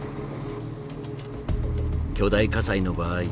巨大火災の場合